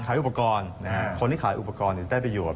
ขายอุปกรณ์คนที่ขายอุปกรณ์ได้ประโยชน